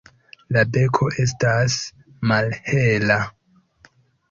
La beko estas malhela.